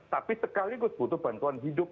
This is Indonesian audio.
tapi sekaligus butuh bantuan hidup